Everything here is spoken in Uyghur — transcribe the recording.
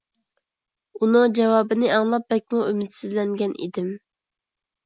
ئۇنىڭ جاۋابىنى ئاڭلاپ بەكمۇ ئۈمىدسىزلەنگەن ئىدىم.